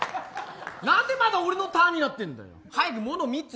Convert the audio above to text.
なんでまた俺のターンになってるんだよ。